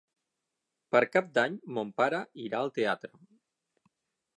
Per Cap d'Any mon pare irà al teatre.